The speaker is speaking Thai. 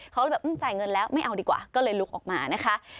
เขาแบบจ่ายเงินแล้วไม่เอาดีกว่าก็เลยลุกออกมานะคะ